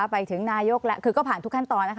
ไปถึงนายกแล้วคือก็ผ่านทุกขั้นตอนนะคะ